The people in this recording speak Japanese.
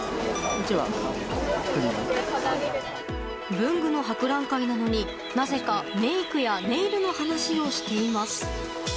文具の博覧会なのになぜかメイクやネイルの話をしています。